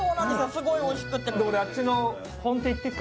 すごいおいしくてえっ！